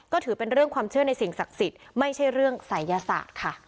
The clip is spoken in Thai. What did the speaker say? ก็ถือเป็นเรื่องความเชื่อในสิ่งศักดิ์สิทธิ์ไม่ใช่เรื่องศัยยศาสตร์ค่ะ